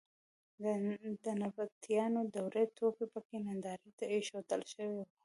د نبطیانو د دورې توکي په کې نندارې ته اېښودل شوي وو.